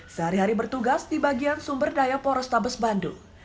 sehari hari bertugas di bagian sumber daya porostabes bandung